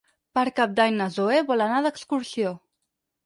Per Cap d'Any na Zoè vol anar d'excursió.